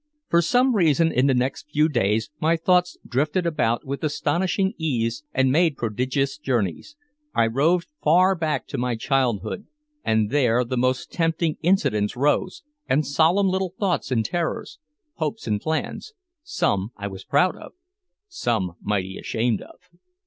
For some reason, in the next few days, my thoughts drifted about with astonishing ease and made prodigious journeys. I roved far back to my childhood, and there the most tempting incidents rose, and solemn little thoughts and terrors, hopes and plans, some I was proud of, some mighty ashamed of.